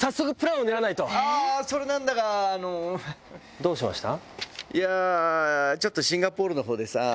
どうしました？